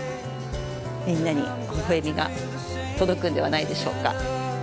みんなにほほえみが届くんではないでしょうか。